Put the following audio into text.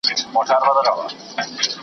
د آدم خان د ربابي اوښکو مزل نه یمه .